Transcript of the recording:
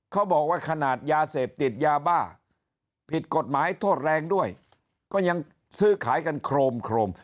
เขาบอกว่าขนาดยาเสพติดยาบ้าผิดกฎหมายโทษแรงด้วยก็ยังซื้อขายกันโครมโครม